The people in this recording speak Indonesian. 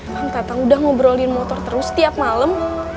kang tatang udah ngobrolin motor terus tiap malem